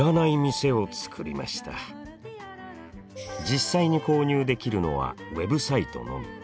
実際に購入できるのはＷＥＢサイトのみ。